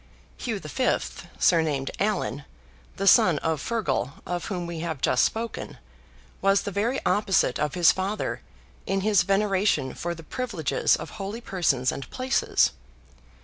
HUGH V. (surnamed Allan), the son of FEARGAL, of whom we have just spoken, was the very opposite of his father, in his veneration for the privileges of holy persons and places.